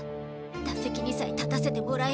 打席にさえ立たせてもらえ